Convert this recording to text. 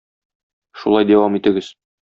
Шулай дәвам итегез!